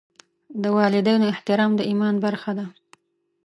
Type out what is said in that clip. د والدینو احترام د ایمان برخه ده.